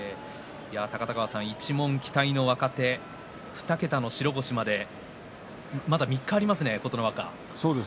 高田川さん一門期待の若手２桁の白星まであと３日ありますね琴ノ若。